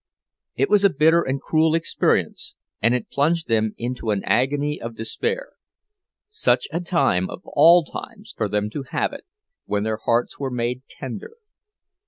It was a bitter and cruel experience, and it plunged them into an agony of despair. Such a time, of all times, for them to have it, when their hearts were made tender!